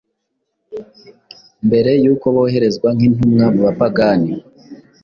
Mbere yuko boherezwa nk’intumwa mu bapagani,